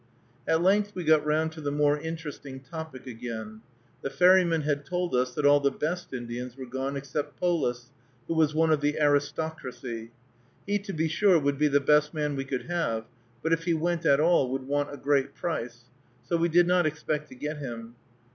At length we got round to the more interesting topic again. The ferryman had told us that all the best Indians were gone except Polis, who was one of the aristocracy. He to be sure would be the best man we could have, but if he went at all would want a great price; so we did not expect to get him.